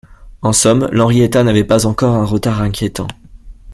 En somme, l’Henrietta n’avait pas encore un retard inquiétant.